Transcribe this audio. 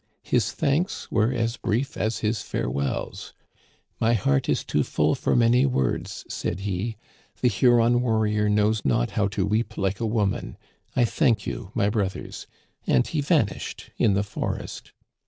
His thanks were as brief as his farewells :"* My heart is too full for many words,' said he ;* the Huron warrior knows not how to weep like a wo man. I thank you, my brothers.' And he vanished in the forest.